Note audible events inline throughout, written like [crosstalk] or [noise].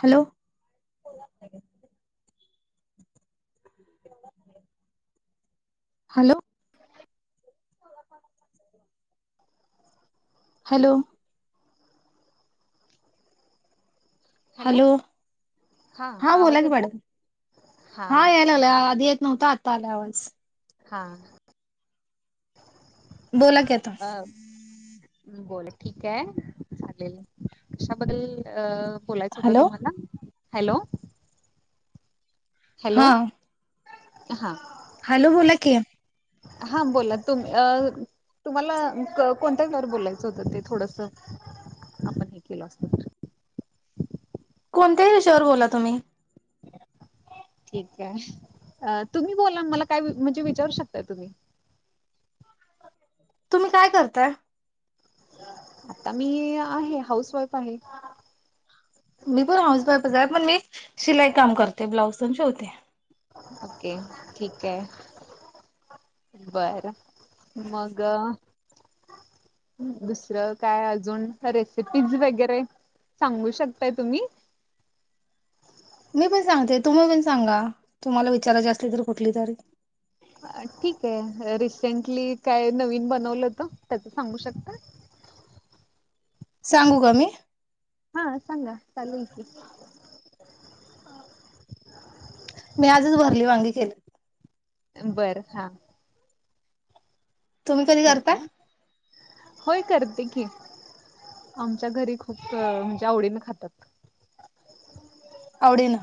Hello hello [inaudible] hello hello हा बोला आवाज की येतो मॅडम हा यायलागला नव्हतं आता आला आवाज हा बोला की आता अ् बोल ठीक आहे चालेल कशाबद्दल अ बोलायचं होतं हॅलो तुम्हाला हॅलो हॅलो हा हा हॅलो बोला कि हा बोला तुम्ही अ तुम्हाला कोणत्यावर बोलायचं होतं ते थोडस आपण हे केल असत तर कोणत्याही वीषयावर बोला तुम्ही ठीक आहे अ तुम्ही बोला मला काय म्हणजे विचारू शकताय तुम्ही तुम्ही काय करताय आता मी आहे हाऊस वाईफ आहे मी पण हाऊसवाईफच आहे पण मी शिलाई काम करते ब्लाऊज तेन शिवते ओके ठीक आहे बर मग दुसरं काय अजून रेसिपीज वगैरे सांगू शकताय तुम्ही [unintelligible] पण सांगते तुम्ही पण सांगा तुम्हाला विचाराची असली तर कुठली तरी ठीक आहे रिसेंटली काय नवीन बनवलंत त्याच सांगू शकता? सांगू का मी? हा सांगा चालेल की. मी आजच भरली वांगी केली. बर हा. तुम्ही कधी ठीक करताय? आहे. होय करते की. आमच्या घरी खूप म्हणजे आवडीने खातात. आवडीन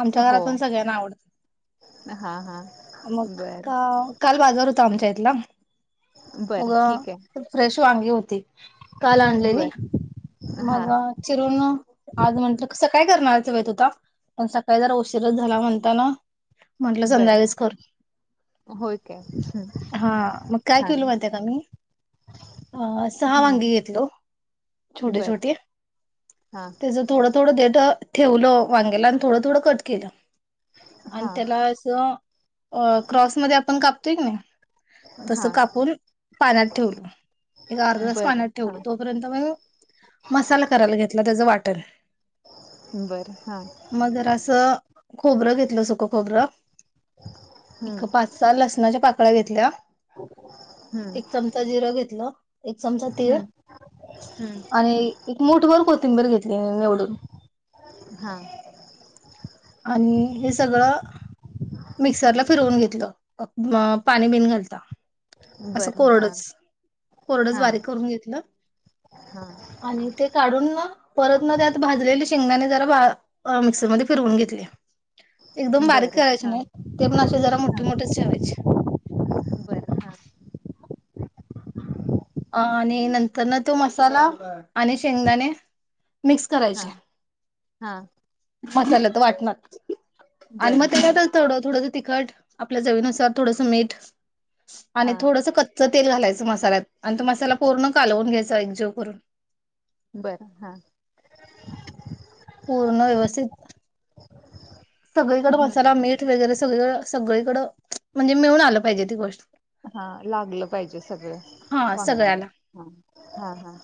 आमच्या हो. घरातून सगळ्यांना आवडत. हा हा मग बर काल बाजार होता आमच्या इथला. बर अगं ठीक आहे फ्रेश वांगी होती काल आणलेली बर हा मग चिरून आज म्हटलं सकाळी करणार होता पण सकाळी जर उशीरच झाला म्हणताना म्हंटलं बर संध्याकाळी करु. होय काय हा मग काय छान केलं माहिती आहे काय मी? अ सहा वांगी हम्म घेतलो छोटे बर छोटे हा त्याचं थोडं थोडं देट ठेवलो वांग्याला आणि थोडं थोडं कट केलं. आणि हा त्याला अस अ क्रॉस मध्ये आपण कापतोय की नाही? तस हा कापून पाण्यात ठेवले. एक अर्ध तास बर पाण्यात हा ठेवलं तोपर्यंत मसाला करायला घेतला त्याचं वाटण बर हा मग जरास खोबरं घेतलं सुक खोबरं. एक हम्म पाच सहा लसणाच्या पाकळ्या घेतल्या. हम्म एक चमचा जिरं घेतलं एक चमचा तीळ हम्म हम्म आणि एक मूठभर कोथिंबीर घेतली निवडून. हा आणि हे सगळं मिक्सरला फिरवून घेतलं पाणी बिन घालता. असं बर हा कोरडच कोरडच हा बारीक करून घेतलं. हा आणि ते काढून ना परत ना त्यात भाजलेले शेंगदाणे जरा मिक्सरमध्ये फिरवून घेतले. एकदम बारीक बर करायचे हा नाही ते पण असे जरा हा मोठे मोठेच ठेवायचे. बर हा [inaudible] आणि नंतर ना तो मसाला आणि शेंगदाणे मिक्स हा करायचे. हा मसाल्यात वाटणात आणि बर मग हा त्याच्यात थोड थोड तिखट आपल्या चवीनुसार थोडस मीठ हा आणि थोडस कच्च तेल घालायचं. मसाल्यात आणि तो मसाला पूर्ण कालवून घ्यायचा एकजीव करून. बरं हा. पूर्ण व्यवस्थित सगळीकडं मसाला हम्म मीठ वगैरे सगळीक सगळीकडं म्हणजे मिळून आलं पाहिजे ती गोष्ट. हा लागलं पाहिजे सगळं हा सगळ्याला वांग्यांना हा हा हा.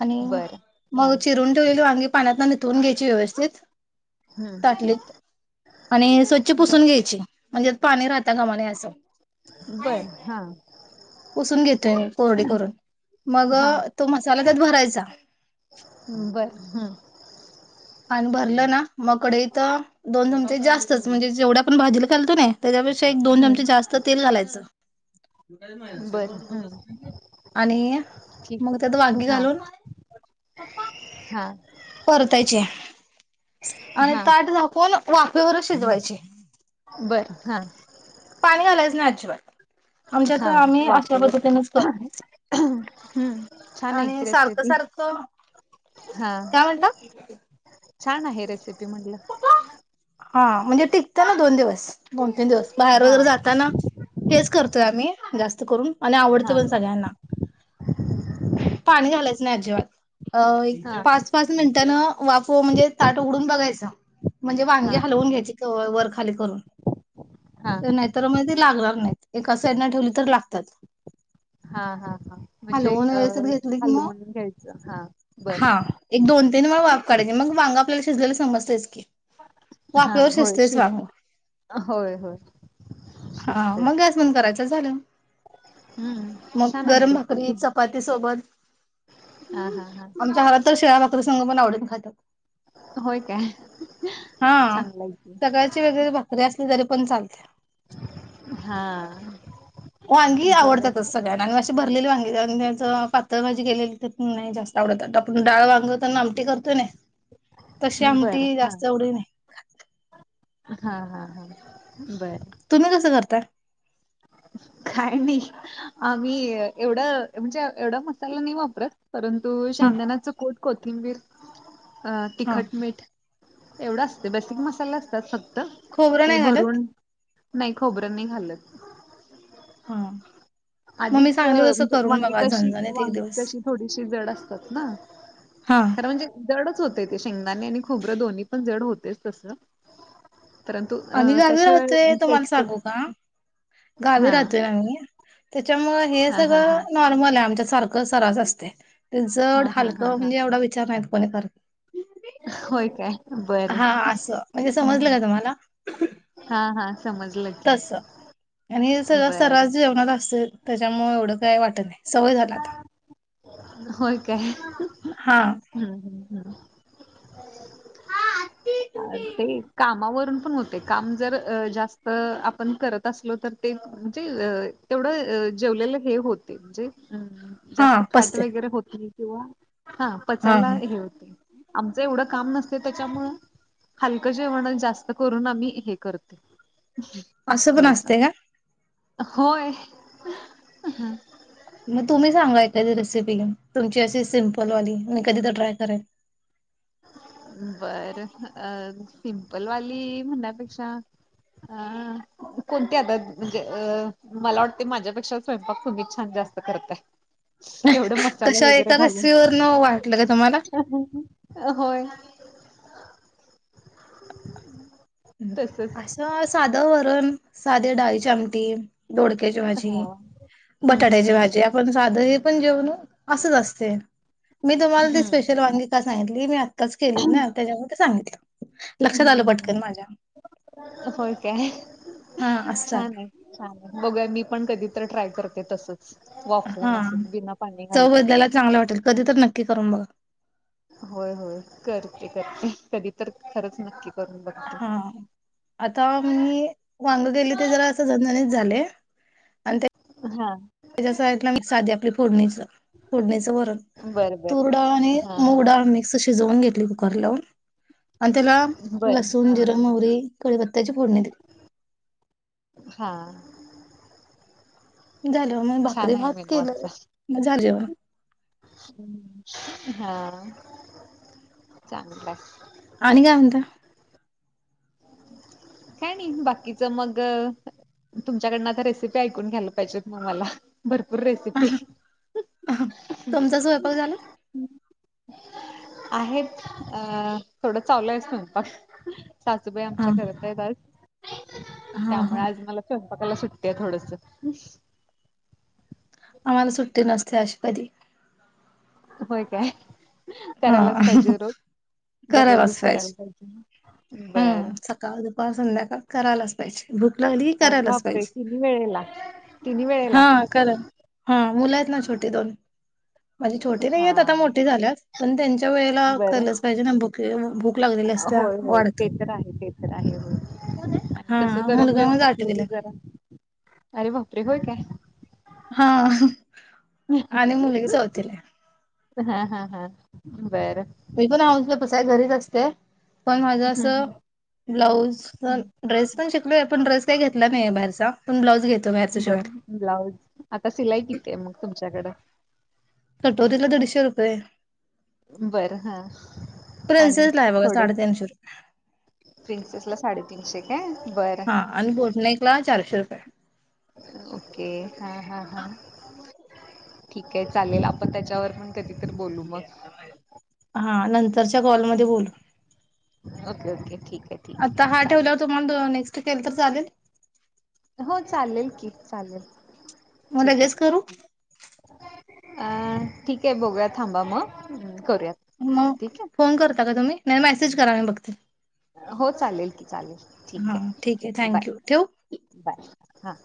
आणि बर हा मग चिरून ठेवलेली वांगी पाण्यात ना निथळून घ्यायची व्यवस्थित हम्म ताटलीत आणि स्वच्छ बर पुसून घ्यायची म्हणजे पाणी राहता कामा नये असं. बर हा. पुसून घेतोय कोरडी करून मग तो मसाला त्यात भरायचा. बरं [inaudible] आणि भरलं ना मग कढईत दोन चमचे जास्तच म्हणजे जेवढ्या आपण भाजीला खालतो ना? त्याच्यापेक्षा एक दोन चमचे हम्म जास्त तेल घालायचं. बर हम्म आणि ठीक मग त्यात आहे वांगी हा घालून हो पण हा परतायचे आणि हा ताट झाकून वाफेवर शिजवायचे बर हा पाणी घालायचं नाही अजिबात आमच्यात हा आम्ही अशा वाफेवर पद्धतीनच करत हम्म छान आहे आणि की सारखं रेसिपी सारखं हा काय म्हणता छान आहे रेसिपी म्हटलं हा म्हणजे टिकतं ना दोन दिवस तन दिवस बाहेर हा वगैरे जाताना हेच करतोय आम्ही जास्त करून आणि आवडते हा पण सगळ्यांना पाणी घालंयच नाही अजिबात अ हा एक पाच पाच मिनिटानं वापव म्हणजे ताट उघडून बघायचं म्हणजे हा वांगी हलवून घ्यायची वरखाली करून हा तर नाहीतर मण ते लागणार नाही एका साईडनं ठेवली तर लागतात हा हा हा म्हणजे हलवून अ व्यवस्थित घेतली की मग हलवून घ्यायचं हा बर हा एक दोन तीन वेळा वाफ काढयची मग वांग आपल्याला शिजलेला समजतेच की हा वाफेवर होय शिजतयचं शिज वांग होय होय हा शिजतय मग गॅस बंद करायचं झालं हम्म मग छान आहे गरम भाकरी रेसिपी चपाती सोबत हा हा हा आमच्या घरात तर शिळ्या भाकरी संगपण आवडीन खातात होय काय हा चांगलाय की सकाळची वेगळी भाकरी असली तरी चालतेय. हा वांगी बर आवडतातच सगळ्यांना न े भरलेली वांगी. त्यात पातळ भाजी केलेली ते जास्त आवडतात. आपण डाळ वांग त आमटी करत तो नाय. तशी बर आमटी हा जास्त ये वडी नाही. हा.. हा.. हा.. बर. तुम्ही कस करताय? काय नयी? आम्ही एवढ म्हणजे एवढा मसाला नाही वापरत. परंतु हा. शेंगदाण्याच कुट कोथिंबीर अ.. हा तिखट मीठ एवढं असतय बस.. अन मसाला असतात फ खोबरं ती नाही घालत भरून नाही खोबरं नाही घालत? हा.. मग मी आधीच सांगल तसं म्हणजे.. करून वांगी बघा कशी झणझणीत एक वांगी दिवस. कशी थोडीशी जड असतात ना? हा. खर म्हणजे जडच होत. शेंगदाणे आणि खोबरं दोन्ही पण जड होतयच त परंतु आम्ही त्या गावी शिवाय राहतोय तुम्हाला टेस्टच सांगू का हा.. त्याच्या मूळ हे हा हा हा सगळं नॉर्मलये. आमच्या सारखं सरास असतय. ते जड हा हा हा हलकं हा म्हणजे एवढा विचार नाही कोणी करत? होय.. काय? बरं हा असं म्हणजे समजलं का हा.. हा.. समजलं की तस.. आणि सगळं सरास बरं जेवणार असतय. त्याच्यामुळे एवढं काय वाट नाय. सवय झाल आता. होय.. काय? हा ह्म्म.. ह [unintelligible] ते कामावरून पण होते. काम जर जास्त आपण करत असलो तर ते म्हणजे अ.. तेवढ जेवलेल हे होते. म्हणजे ह्म्म.. हा जास्त फॅट पचतंय वैगेरे होती. किंवा.. हा पचायला हे होतय. आमच एवढ काम नसतय त्याच्यामुळ हलक जेवणच जास्त करून. आम्ही हे करते. अस.. पण थोडस असतय का? होय.. म तुम्ही सांगा एखादी रेसिपी. तुमची अशी सिम्पल वाली मी कधी तर ट्राय करेल? [inaudible] बर. अ.. सिम्पलवाली म्हणण्या पेक्षा अ.. कोणती आता? म्हणजे अ.. मला वाटतय माझ्यापेक्षा स्वयंपाक तुम्हीच छान जा करताय. [inaudible] तेवढं मसाला कशा वैगेरे एका घालून रेसिपी वरन वाटलं का तुम्हाला? अ.. होय. तसच असं साध वरन साधे डाळीची आमटी, दोडक्याची हा. भाजी, हम्म हम्म बटाट्याची हम्म. भाजी आपण साध हे पण जेवण.. असच असतय. मी तुम्हाला ती हम्म. स्पेशल वांगी का सांगितली? मी आत्ताच केलीत ना. त्याच्यामुळे ती सांगितल. लक्षात आल हम्म हम्म पटकन माझ्या. होय काय? हा छान असतात ये छान ये. बघुया मी पण ट्राय करते तस? हा चव घालता. बदलायला चांगल वाटेल. कधी त नक्की करून बघा. होय होय करते करते. कधी तर खरंच नक्की? करून बघते. हा आता मी वांग केली. ते जरा अस झणझणीत झालय. अन ते हा.. आपली फोडणीच फोडणीच वरण बर बर तुर डाळ आणि हा मुग हा डाळ मिक्स शिजवून घेत ली कुकर लावून आणि त्याला बर लसूण हा. जिर मोहरी. कढीपत्त्याची फोडणी हा झाल मग भाकरी छान आहे भात मेनू केलं आजचा. मग झाज जेवण. हा चांगलाय आणि काय म्हणत. [inaudible] काय नाही बाकीच मग तुमच्याकडनं आता रेसिपी ऐकून घ्यायला पाहिजेत ना मला भरपूर रेसिपी हा, तुमचा स्वयंपाक झाला आहेत अ थोडं चालू आहे स्वयंपाक सासूबाई हा आमच्या करत आहेत आज हा हा त्यामुळे आज मला स्वयंपाकायला सुट थोडस आम्हाला सुट्टी नसते अशी कधी होय काय हा करायलाच पाहिजे रोज दररोजच करायला पाहिजे. बर हम सकाळ दुपार संध्याकाळ करायलाच पाहिजे. भूक लागली की अरे करायलाच बापरे पाहिजे. तिन्ही वेळेला तिन्ही वेळेला हा खर हा मुला आहेत ना छोटी दोन. माझी छोटी नाहीय हा आता मोठी झाल्यात पण त्यांच्या वेळेला बरं केलच पाहिजे ना भुके भूक लागलेली असत होय होय वाढ ते तर आहे ते तर आहे हा कस गरम मुलगा जेवण माझा असलं आठवीला की जरा अरे बाप रे होय काय. हा आणि मुलगी चौथी ला आहे. हा हा हा बरं मी प आ तस आहे घरीच असते पण माझ अस हं ब्लाऊज हं ड्रेस पण शिकलोय पण ड्रेस तेे घेतलं नाही बाहेरच. पण ब्लाउज घेतल बर ब्लाऊज आता सिलाई किती आहे मग तुमच्याकडं कटोरीला दीडशे रुपये. बर हं आणि प्रिन्सेसला आहे बघा थोडेस साडेतीनशे रुपये. प्रिन्सेसला साडेतीनशे काय? हा बरं आणि बोटनाईकला चारशे रुपये. ओके हा हा हा ठीक आहे चालेल. आपण त्याच्यावर पण कधीतरी बोलू मग. हा नंतरच्या कॉलमध्ये बोलु. ओके, ओके ठीक आहे ठीक आता आहे हा चालेल ठेवल्यावर तुम्हाला नेक्स्ट केल तर चालेल? हो चालेल की, चालेल मग ठीक लगेच आहे. करू अं ठीक आहे बघुया थांबा मग करूयात मग ठीक आहे. फोन करता का तुम्ही? नाही मेसेज करा मी बघते. हो चालेल की. चालेल ठीक हा आहे. ठीक ओके बाय, थँक्यू ठेवू. बाय हां.